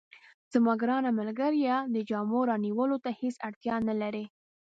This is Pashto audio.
زما ګرانه ملګرې، د جامو رانیولو ته هیڅ اړتیا نه لرې.